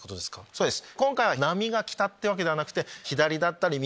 そうです。